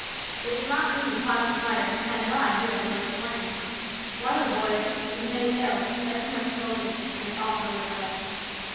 They did not mean to cause the fire, and had no idea that they were to blame. One of the boys was made ill by too much smoking, and they all hurried away.